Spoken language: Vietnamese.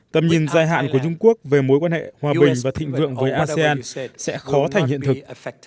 tầm nhìn dài hạn của trung quốc về mối quan hệ hòa bình và thịnh vượng với asean sẽ khó thành hiện thực